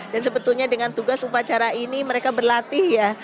dan sebetulnya dengan tugas upacara ini mereka berlatih ya